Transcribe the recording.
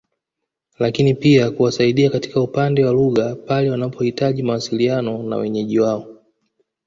Lakini pia kuwasaidia katika upande wa lugha pale wanapohitaji mawasiliano na wenyeji wao